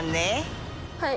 はい。